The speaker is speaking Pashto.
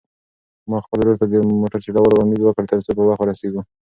ما خپل ورور ته د موټر چلولو وړاندیز وکړ ترڅو په وخت ورسېږو.